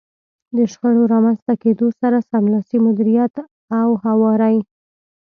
د شخړو له رامنځته کېدو سره سملاسي مديريت او هواری.